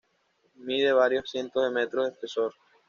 Mide varios cientos de metros de espesor.